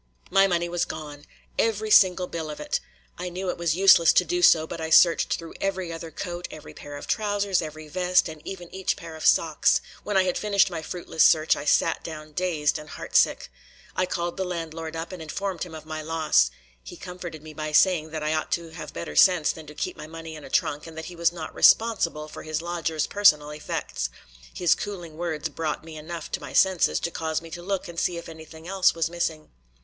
My money was gone! Every single bill of it. I knew it was useless to do so, but I searched through every other coat, every pair of trousers, every vest, and even each pair of socks. When I had finished my fruitless search, I sat down dazed and heartsick. I called the landlord up and informed him of my loss; he comforted me by saying that I ought to have better sense than to keep money in a trunk and that he was not responsible for his lodgers' personal effects. His cooling words brought me enough to my senses to cause me to look and see if anything else was missing.